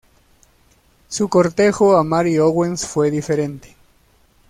Su cortejo a Mary Owens fue diferente.